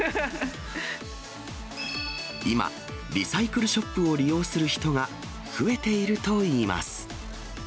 今、リサイクルショップを利用する人が増えているといいます。